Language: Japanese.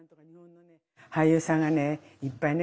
俳優さんがねいっぱいね